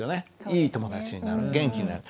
いい友達になる元気になる。